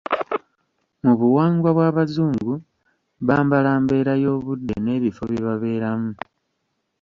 Mu buwangwa bw'Abazungu, bambala mbeera y'obudde n'ebifo bye babeeramu.